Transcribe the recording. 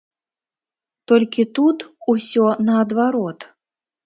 Толькі тут усё наадварот.